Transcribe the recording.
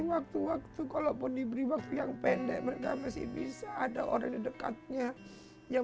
waktu waktu kalaupun diberi waktu yang pendek mereka masih bisa ada orang dekatnya yang